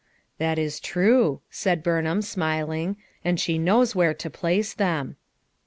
That is true," said Burnham, smiling, and she knows where to place them."